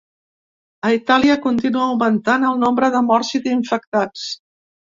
A Itàlia continua augmentant el nombre de morts i d’infectats.